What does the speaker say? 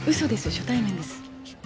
初対面です。